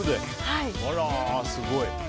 すごい。